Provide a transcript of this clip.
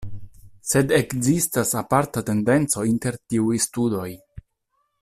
Sed ekzistas aparta tendenco inter tiuj studoj.